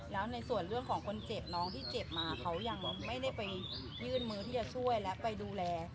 แล้วในส่วนเรื่องของคนเจ็บน้องที่เจ็บมาเขายังไม่ได้ไปยื่นมือที่จะช่วยและไปดูแล